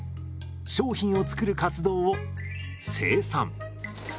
商品を作る活動を生産。